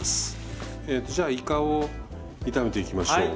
えとじゃあいかを炒めていきましょう。